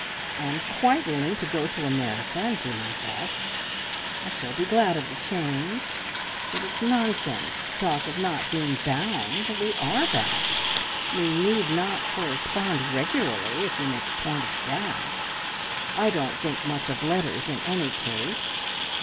I am quite willing to go to America and do my best. I shall be glad of the change, but it's nonsense to talk of not being bound. We are bound! We need not correspond regularly, if you make a point of that. I don't think much of letters in any case.